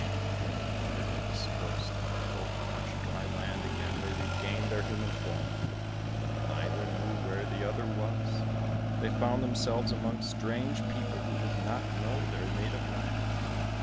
When the water had dispersed and they both touched dry land again, they regained their human form, but neither knew where the other was; they found themselves among strange people, who did not know their native land.